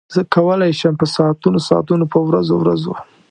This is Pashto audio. زه کولای شم په ساعتونو ساعتونو په ورځو ورځو.